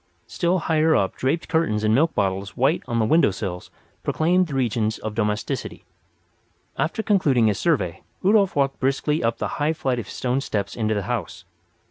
Still higher up draped curtains and milk bottles white on the window sills proclaimed the regions of domesticity. After concluding his survey Rudolf walked briskly up the high flight of stone steps into the house.